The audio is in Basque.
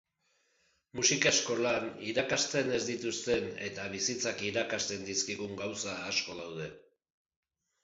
Musika-eskolan irakasten ez dituzten eta bizitzak irakasten dizkizun gauza asko daude.